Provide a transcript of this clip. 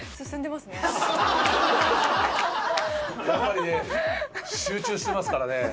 やっぱりね集中してますからね。